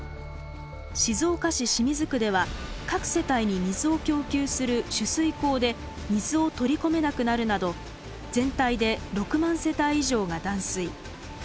静岡市清水区では各世帯に水を供給する取水口で水を取り込めなくなるなど全体で６万世帯以上が断水。